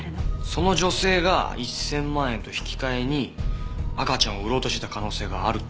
その女性が１千万円と引き換えに赤ちゃんを売ろうとしてた可能性があるって事か。